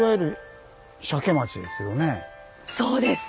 そうです！